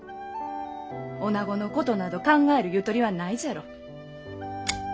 おなごのことなど考えるゆとりはないじゃろう。